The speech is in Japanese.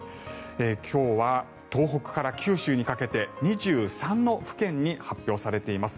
今日は東北から九州にかけて２３の府県に発表されています。